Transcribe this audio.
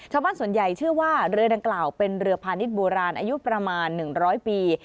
ชาวบ้านส่วนใหญ่เชื่อว่าเรือดังกล่าวเป็นเรือพาณิชย์โบราณอายุประมาณ๑๐๐ปี